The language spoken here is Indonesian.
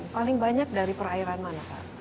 paling banyak dari perairan mana pak